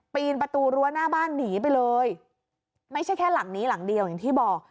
ปีนประตูรั้วหน้าบ้านหนีไปเลยไม่ใช่แค่หลังนี้หลังเดียวอย่างที่บอก